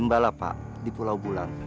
ag elkaar belajar sehat